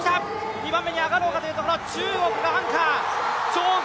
２番目に上がろうかというところ中国がアンカー！